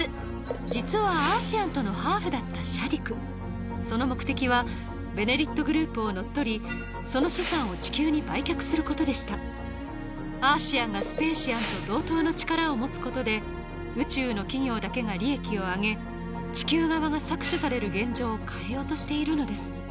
実はアーシアンとのハーフだったシャディクその目的は「ベネリット」グループを乗っ取りその資産を地球に売却することでしたアーシアンがスペーシアンと同等の力を持つことで宇宙の企業だけが利益を上げ地球側が搾取される現状を変えようとしているのです